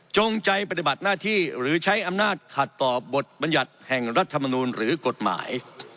จงใจปฏิบัติหน้าที่หรือใช้อำนาจขัดต่อบทบรรยัติแห่งรัฐมนูลหรือกฎหมาย